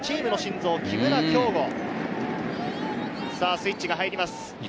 スイッチが入ります。